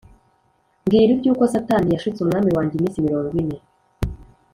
Mbwira uby’uko satani yashutse umwami wanjye iminsi mirongo ine